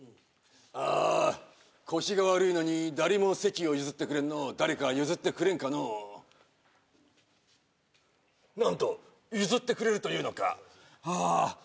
あ腰が悪いのに誰も席を譲ってくれんのう誰か譲ってくれんかのう何と譲ってくれるというのかあ